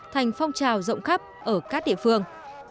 thành phong trào rộng khắp ở các địa phương